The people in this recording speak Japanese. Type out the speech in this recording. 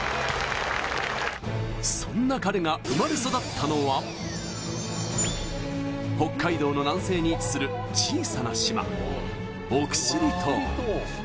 そんな彼が生まれ育ったのは北海道の南西に位置する小さな島、奥尻島。